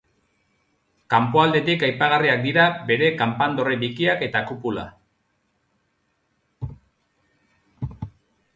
Kanpoaldetik aipagarriak dira bere kanpandorre bikiak eta kupula.